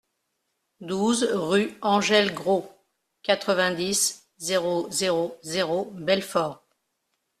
douze rue Engel Gros, quatre-vingt-dix, zéro zéro zéro, Belfort